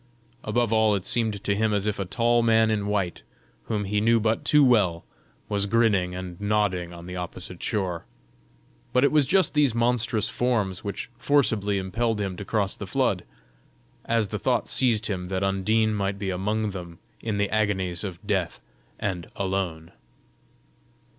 Above all it seemed to him as if a tall man in white, whom he knew but too well, was grinning and nodding on the opposite shore; but it was just these monstrous forms which forcibly impelled him to cross the flood, as the thought seized him that Undine might be among them in the agonies of death and alone.